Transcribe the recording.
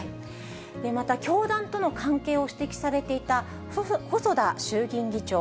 また、教団との関係を指摘されていた細田衆議院議長。